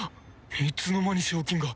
いつの間に賞金が